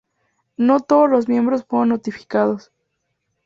No todos los miembros fueron notificados.